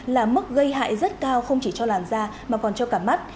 là mức gây hại rất cao không chỉ cho làn da mà còn cho cả mắt